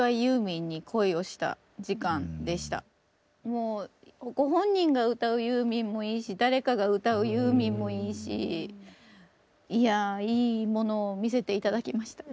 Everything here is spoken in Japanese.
もうご本人が歌うユーミンもいいし誰かが歌うユーミンもいいしいやあいいものを見せて頂きました。